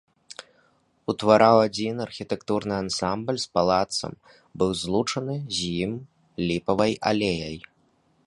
Утвараў адзіны архітэктурны ансамбль з палацам, быў злучаны з ім ліпавай алеяй.